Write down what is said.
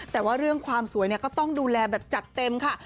แต่ว่าเรื่องความสวยก็ต้องดูแลแบบจัดเต็มค่ะ